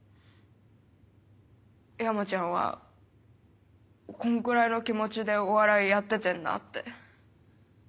山ちゃんはこんくらいの気持ちでお笑いやっててんなって。